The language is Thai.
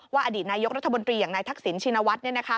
ว่าอดีตนายกรัฐบนตรีอย่างนายทักศิลป์ชินวัตรเนี่ยนะคะ